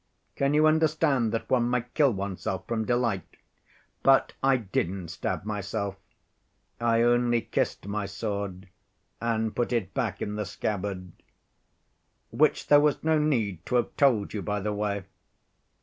Can you understand that one might kill oneself from delight? But I didn't stab myself. I only kissed my sword and put it back in the scabbard—which there was no need to have told you, by the way.